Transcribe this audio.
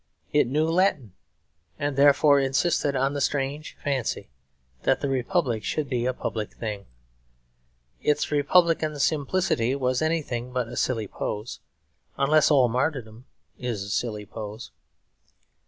It knew Latin; and therefore insisted on the strange fancy that the Republic should be a public thing. Its Republican simplicity was anything but a silly pose; unless all martyrdom is a silly pose.